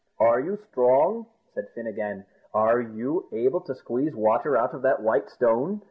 "Are you strong?" said Fin again; "are you able to squeeze water out of that white stone?"